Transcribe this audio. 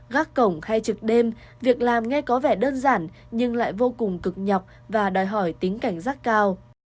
gác cổng hay trực đêm việc làm nghe có vẻ đơn giản nhưng lại vô cùng cực nhọc và đòi hỏi tính cảnh giác cao